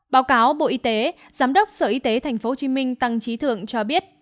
báo cáo bộ y tế giám đốc sở y tế thành phố hồ chí minh tăng trí thượng cho biết